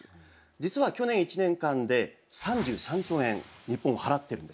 実は去年１年間で３３兆円日本払ってるんですね。